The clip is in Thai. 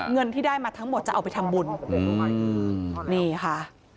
เงินที่ได้มาทั้งหมดจะเอาไปทำบุญนี่ค่ะ